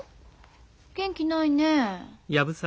元気ないねえ。